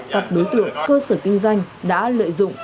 các đối tượng cơ sở kinh doanh đã lợi dụng